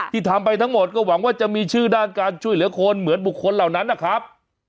ทำไปทั้งหมดก็หวังว่าจะมีชื่อด้านการช่วยเหลือคนเหมือนบุคคลเหล่านั้นนะครับ